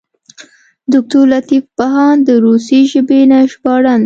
دوکتور لطیف بهاند د روسي ژبې نه ژباړن دی.